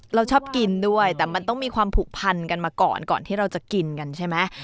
เราชอบกินด้วยแต่มันต้องมีความผูกพันกันมาก่อนก่อนที่เราจะกินกันใช่ไหม